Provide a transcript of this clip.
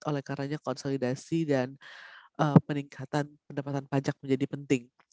oleh karena konsolidasi dan peningkatan pendapatan pajak menjadi penting